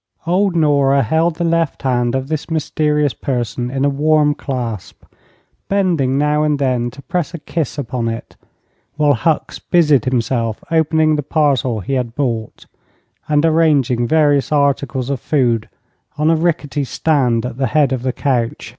Old Nora held the left hand of this mysterious person in a warm clasp, bending now and then to press a kiss upon it, while Hucks busied himself opening the parcel he had brought and arranging various articles of food on a rickety stand at the head of the couch.